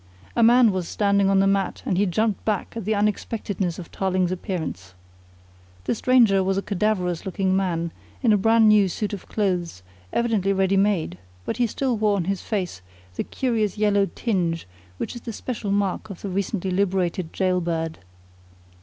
A man was standing on the mat and he jumped back at the unexpectedness of Tarling's appearance. The stranger was a cadaverous looking man, in a brand new suit of clothes, evidently ready made, but he still wore on his face the curious yellow tinge which is the special mark of the recently liberated gaol bird.